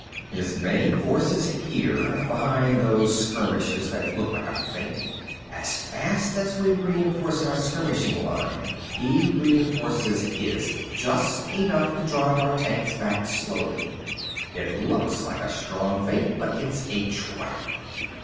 "His main force is here, behind those skirmishes that look like a feint. As fast as we reinforce our skirmishing line, he reinforces his—just enough to drive our tanks back slowly. It looks like a strong feint, but it's a trap!